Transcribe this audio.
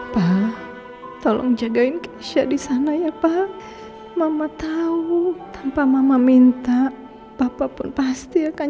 pak tolong jagain kesya di sana ya pak mama tahu tanpa mama minta papa pun pasti akan